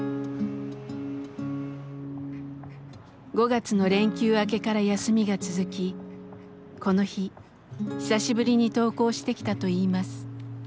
５月の連休明けから休みが続きこの日久しぶりに登校してきたといいます。